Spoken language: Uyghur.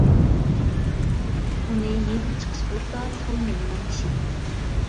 ئۇنى يېزىپ چىقىش بولسا سول مېڭىنىڭ ئىشى.